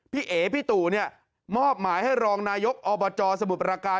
เอ๋พี่ตู่เนี่ยมอบหมายให้รองนายกอบจสมุทรประการ